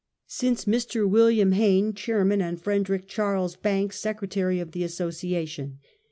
Since Mr. Wm. Haen, chairman, and Frederic Charles Banks, secretary of the Asso ciation.